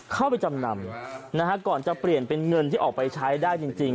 เข้าไปจำนำนะฮะก่อนจะเปลี่ยนเป็นเงินที่ออกไปใช้ได้จริง